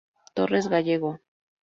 Torres Gallego.